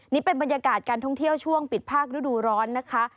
นี่เป็นบรรยากาศการท่องเที่ยวช่วงปิดภาคฤดูร้อนนะคะ